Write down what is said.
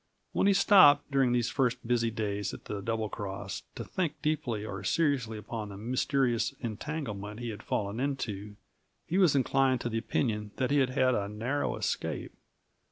When he stopped, during these first busy days at the Double Cross, to think deeply or seriously upon the mysterious entanglement he had fallen into, he was inclined to the opinion that he had had a narrow escape.